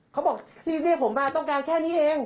เขาบอกทีนี้ผมมาต้องการแค่นี้เอง